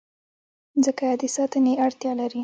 مځکه د ساتنې اړتیا لري.